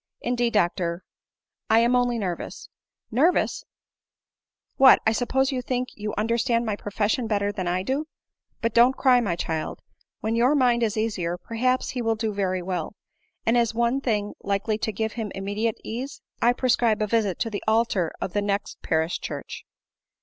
" Indeed, doctor, I am only nervous." " Nervous !— What, I suppose ycu think you under stand my profession better dian I do. But don't cry, iny child ; when your mind is easier, perhaps he will do very well ; and, as one thing likely to give him immediate ease, I prescribe a visit to the altar of the next parish church."